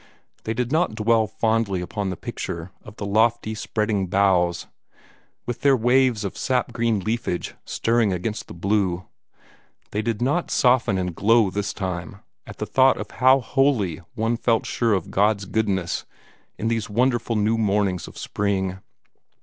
They did not dwell fondly upon the picture of the lofty, spreading boughs, with their waves of sap green leafage stirring against the blue. They did not soften and glow this time, at the thought of how wholly one felt sure of God's goodness in these wonderful new mornings of spring.